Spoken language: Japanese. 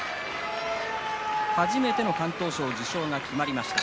初めての敢闘賞受賞が決まりました。